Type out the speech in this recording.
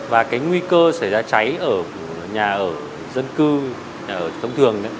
và cái nguy cơ xảy ra cháy ở nhà ở dân cư nhà ở thông thường